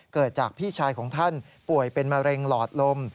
เกิดจากพี่ชายของท่านป่วยเป็นมะเร็งหลอดลม